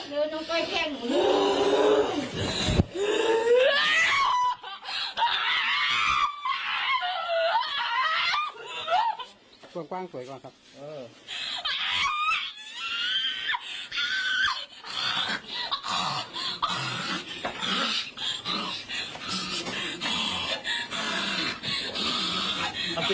ส่วนกว้างสวยก่อนครับ